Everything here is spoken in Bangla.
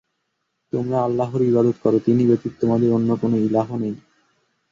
তোমরা আল্লাহর ইবাদত কর, তিনি ব্যতীত তোমাদের অন্য কোন ইলাহ্ নেই।